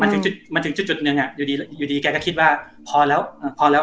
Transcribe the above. ถึงจุดมันถึงจุดหนึ่งอ่ะอยู่ดีอยู่ดีแกก็คิดว่าพอแล้วพอแล้ว